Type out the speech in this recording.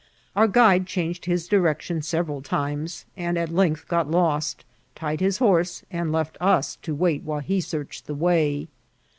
Our guide changed lus directi<Mi several times, and at length got lost, tied his horse, and left us to wait while he searched the way.